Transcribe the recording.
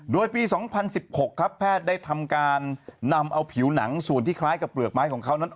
โดยปี๒๐๑๖ครับแพทย์ได้ทำการนำเอาผิวหนังส่วนที่คล้ายกับเปลือกไม้ของเขานั้น